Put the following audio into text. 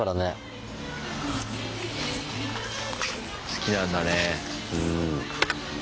好きなんだね。